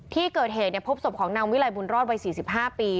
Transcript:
ที่เกิดเหตุเนี่ยพบศพของนังวิไลฯบุญรอดวัย๔๕ปี